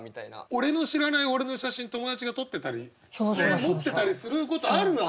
俺の知らない俺の写真友達が撮ってたり持ってたりすることあるわ。